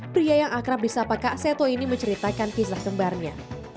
pria yang akrab di sapa kak seto ini menceritakan kisah kembarnya